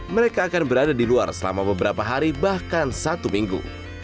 mereka akan berada di luar selama beberapa hari bahkan satu minggu